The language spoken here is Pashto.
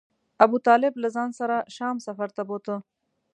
ابو طالب له ځان سره شام سفر ته بوته.